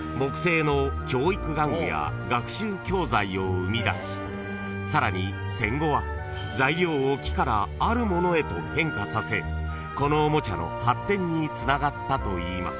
生み出しさらに戦後は材料を木からあるものへと変化させこのおもちゃの発展につながったといいます］